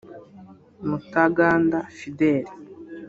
Mutaganda Fidèle